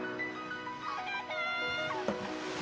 「あなた！」。